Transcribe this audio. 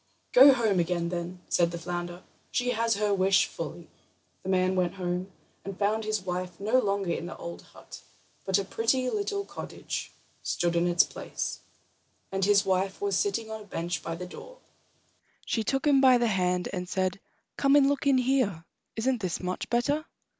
"Go home again, then," said the flounder; "she has her wish fully." The man went home and found his wife no longer in the old hut, but a pretty little cottage stood in its place, and his wife was sitting on a bench by the door. She took him by the hand, and said: "Come and look in here—isn't this much better?"